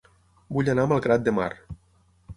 Vull anar a Malgrat de Mar